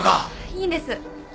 いいんです。